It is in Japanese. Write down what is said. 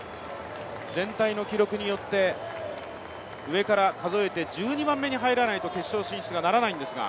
全体の記録によって上から数えて１２番目に入らないと決勝進出はならないんですが。